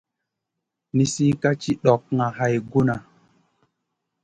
Nizi ka ci ɗokŋa hay guna.